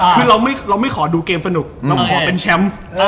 คือเราไม่ขอดูเกมสนุกเราขอเป็นแชมป์